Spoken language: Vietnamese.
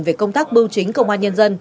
về công tác bưu chính công an nhân dân